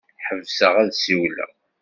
Ḥebseɣ ad ssiwleɣ.